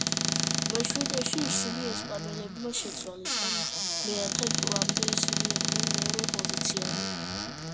მეშვიდეში ისინი ესპანელებმა შეცვალეს და მეათე ტურამდე ისინი იყვნენ მეორე პოზიციაზე.